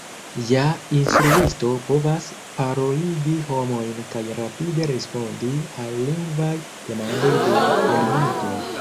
Ja instruisto povas paroligi homojn kaj rapide respondi al lingvaj demandoj de lernantoj.